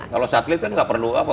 kalau satelit kan tidak perlu apa apa